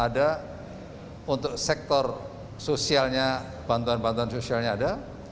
dan bantuan bantuan sosialnya ada